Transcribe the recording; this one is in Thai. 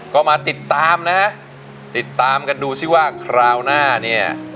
ก็มาติดตามนะติดตามกันดูสิว่าคราวหน้าเนี่ย